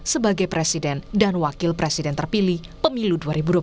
sebagai presiden dan wakil presiden terpilih pemilu dua ribu dua puluh